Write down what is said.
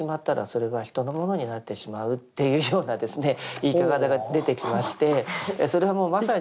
言い方が出てきましてそれはもうまさに。